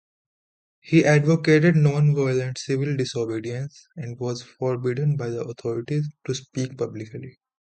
He advocated non-violent civil disobedience and was forbidden by the authorities to speak publicly.